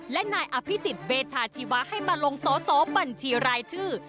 และนายอภิษฎเวชาชีวะให้มาลงสอสอบัญชีรายชื่อ